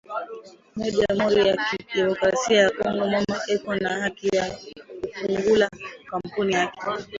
Mu jamuri ya ki democracia ya congo mama eko na haki ya ku fungula kampuni yake